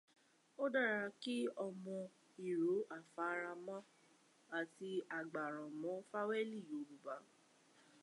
Ó dára kí ọmọ ìró afárànma àti agbárànmọ́ fáwẹ́ẹ̀lì Yorùbá.